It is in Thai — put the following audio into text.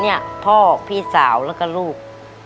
เนี่ยพ่อพี่สาวแล้วก็ลูก